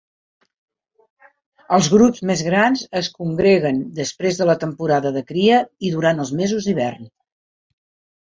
Els grups més grans es congreguen després de la temporada de cria i durant els mesos d'hivern.